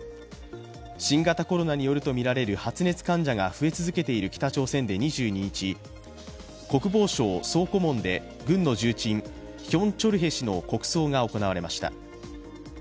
新型コロナによると見られる発熱患者が増え続けている北朝鮮で２２日、国防省総顧問で軍の重鎮ヒョン・チョルヘ氏の国葬が行われました。